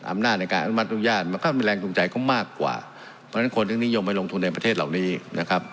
อำนาจในการอนุมัติอนุญาตมันก็มีแรงจูงใจเขามากกว่าเพราะฉะนั้นคนถึงนิยมไปลงทุนในประเทศเหล่านี้นะครับ